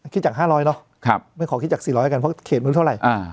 คิดจากห้าร้อยเนอะครับไม่ขอคิดจากสี่ร้อยกันเพราะเขตไม่รู้เท่าไรอ่า